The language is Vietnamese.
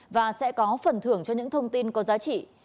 và sẽ có phần thưởng cho những thông tin có giá trị